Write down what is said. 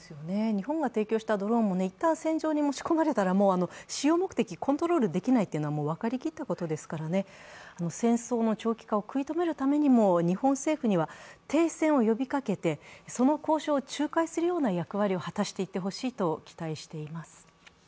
日本が提供したドローンも一旦、戦場に持ち込まれたらもう使用目的コントロールできないというのは分かりきったことですから、戦争の長期化を食い止めるためにも日本政府には停戦を呼びかけて、その交渉を仲介するような役割を果たしていってほしいと期待しています。